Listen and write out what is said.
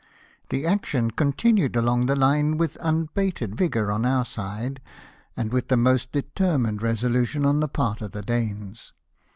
The action continued along the line with unabated vigour on our side, and with the most determined re solution on the part of the Danes.